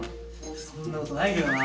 そんなことないけどな。